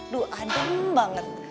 dua adem banget